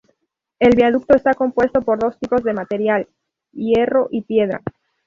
El viaducto está compuesto por dos tipos de material: hierro y piedra.